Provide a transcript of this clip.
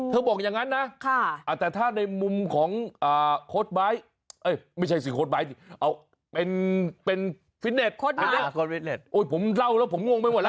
เป็นฟิตเนทโค้ดมาสโค้ดฟิตเนทโอ้ยผมเล่าแล้วผมง่วงไปหมดล่ะ